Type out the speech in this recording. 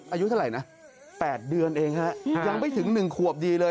อายุเท่าไหร่นะ๘เดือนเองฮะยังไม่ถึง๑ขวบดีเลย